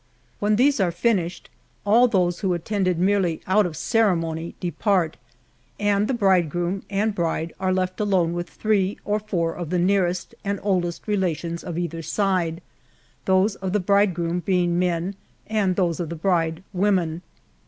When these are finised, all those who attended merely out of ceremony, depart, and the bridegroom, and bride are left alone with three or four of the nearest and oldest relations of either side; those of the bridegroom being men, and those of the bride, women.